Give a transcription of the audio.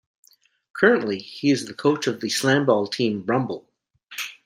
Currently, he is the coach of the Slamball team Rumble.